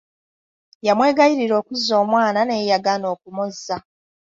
Yamwegayirira okuzza omwana naye yagaana okumuzza.